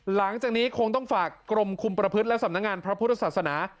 หลังจากนี้คงต้องฝากกรมคุมประพฤติและสำนักงานพระพุทธศาสนา